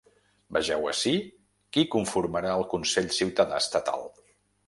Vegeu ací qui conformarà el consell ciutadà estatal.